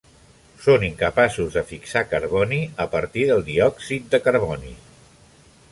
Són incapaços de fixar carboni a partir del diòxid de carboni.